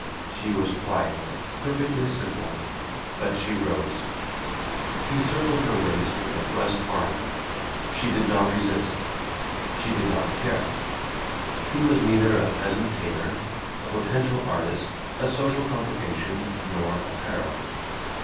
She was quiet, perfectly simple. But she rose. He circled her waist with a brusque arm. She did not resist. She did not care. He was neither a peasant tailor, a potential artist, a social complication, nor a peril.